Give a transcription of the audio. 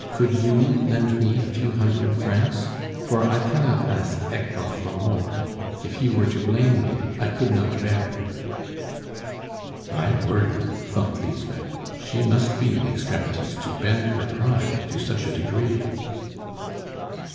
Could you lend me a few hundred francs? For I cannot ask Hector for more; if he were to blame me, I could not bear it." "My word!" thought Lisbeth, "she must be in extremities to bend her pride to such a degree!"